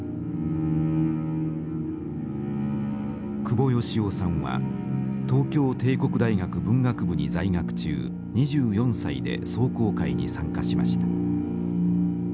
久保恵男さんは東京帝国大学文学部に在学中２４歳で壮行会に参加しました。